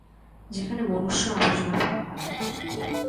যেখানে মনুষ্য আবর্জনা ফেলা হয়।